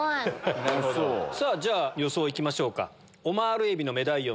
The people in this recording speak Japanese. じゃ予想いきましょうか。